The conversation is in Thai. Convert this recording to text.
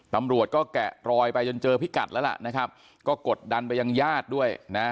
ตำรวจก็แกะรอยไปจนเจอพิกัดแล้วล่ะนะครับก็กดดันไปยังญาติด้วยนะ